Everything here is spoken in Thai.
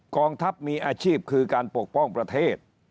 กองทัพมีอาชีพคือการปกป้องประเทศ